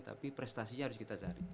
tapi prestasinya harus kita cari